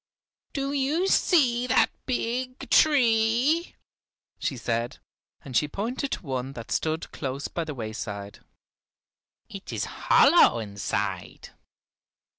"Do you see that big tree?" she said, and she pointed to one that stood close by the wayside. "It is hollow inside.